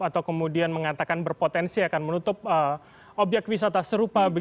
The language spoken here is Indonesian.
atau kemudian mengatakan berpotensi akan menutup obyek wisata serupa